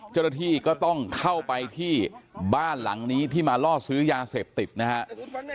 เจ้าหน้าที่ก็ต้องเข้าไปที่บ้านหลังนี้ที่มาล่อซื้อยาเสพติดนะครับ